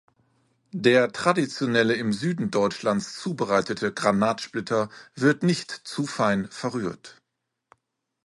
Der traditionelle im Süden Deutschlands zubereitete Granatsplitter wird nicht zu fein verrührt.